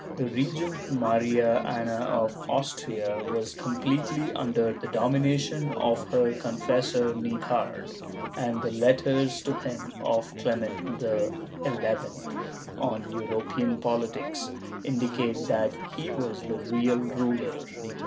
^ The Regent Maria Ana of Austria was completely under the domination of her confessor Nithard, and the letters to him of Clement XI, on European politics, indicate that he was the real ruler.